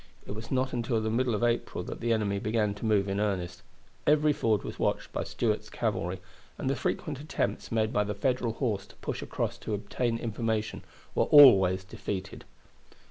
It was not until the middle of April that the enemy began to move in earnest. Every ford was watched by Stuart's cavalry, and the frequent attempts made by the Federal horse to push across to obtain information were always defeated.